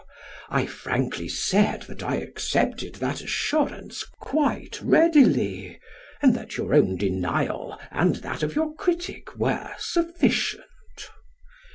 I frankly said that I accepted that assurance "quite readily," and that your own denial and that of your critic were "sufficient."